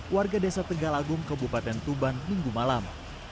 warga desa tegalagung kebupaten tuban minggu malam